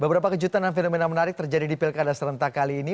beberapa kejutan dan fenomena menarik terjadi di pilkada serentak kali ini